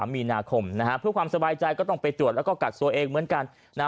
มีนาคมนะฮะเพื่อความสบายใจก็ต้องไปตรวจแล้วก็กักตัวเองเหมือนกัน